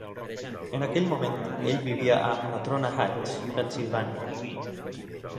En aquell moment, ell vivia a Natrona Heights, Pennsilvània.